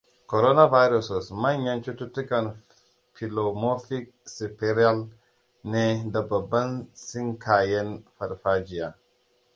Coronaviruses manyan cututtukan pleomorphic spherical ne da babban sinkayen farfajiya.